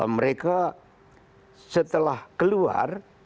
mereka setelah keluar